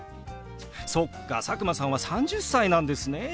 そっか佐久間さんは３０歳なんですね。